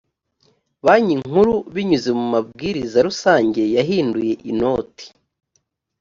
banki nkuru binyuze mu mabwiriza rusange yahinduye inoti.